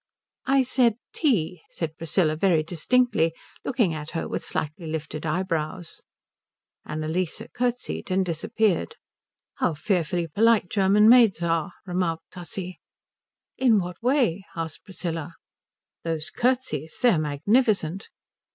"I said tea," said Priscilla very distinctly, looking at her with slightly lifted eyebrows. Annalise curtseyed and disappeared. "How fearfully polite German maids are," remarked Tussie. "In what way?" asked Priscilla. "Those curtseys. They're magnificent."